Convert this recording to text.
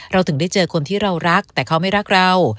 เราถึงได้เจอคนที่เรารักแต่เขาไม่รักเรา